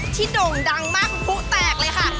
ที่ด่งดังมากหูแตกเลยค่ะ